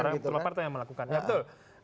orang yang terpapar atau orang yang melakukan betul